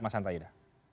mas anta yuda